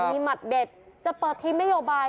มีหมัดเด็ดจะเปิดทีมนโยบาย